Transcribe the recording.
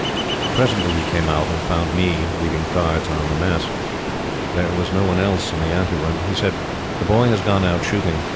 Presently he came out and found me leaving cards on the Mess. There was no one else in the ante room. He said: "The Boy has gone out shooting.